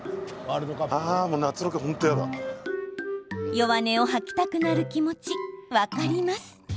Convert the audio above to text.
弱音を吐きたくなる気持ち分かります。